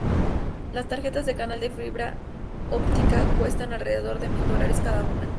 Las tarjetas de canal de fibra óptica cuestan alrededor de mil dólares cada una.